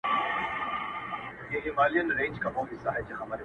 o بېله دغه چا به مي ژوند اور واخلي لمبه به سي.